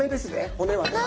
骨はね。